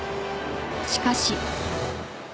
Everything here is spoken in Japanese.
しかし。